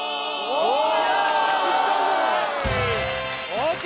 ＯＫ